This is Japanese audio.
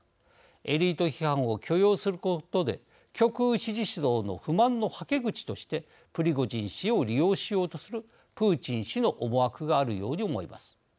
エリート批判を許容することで極右支持層の不満のはけ口としてプリゴジン氏を利用しようとするプーチン氏の思惑があるように思います。